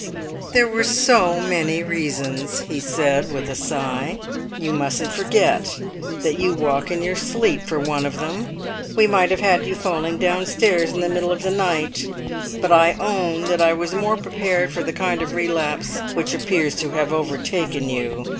"There were so many reasons," he said, with a sigh; "you mustn't forget that you walk in your sleep, for one of them. We might have had you falling downstairs in the middle of the night; but I own that I was more prepared for the kind of relapse which appears to have overtaken you.